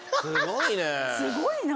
すごいね。